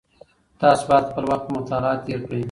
تاسو باید خپل وخت په مطالعه کې تېر کړئ.